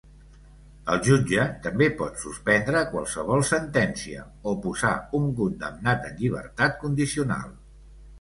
El jutge també pot suspendre qualsevol sentència o posar un condemnat en llibertat condicional.